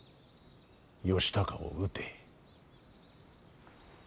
義高を討て。